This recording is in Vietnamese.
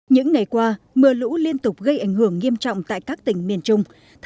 những ngày qua mưa lũ liên tục gây ảnh hưởng nghiêm trọng tại các tỉnh miền trung